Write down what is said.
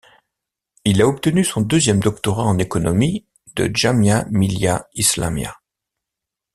Il a obtenu son deuxième doctorat en économie de Jamia Millia Islamia.